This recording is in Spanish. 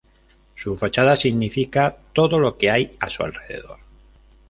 Su fachada significa todo lo que hay a su alrededor.